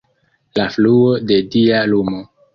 La fluo de dia lumo.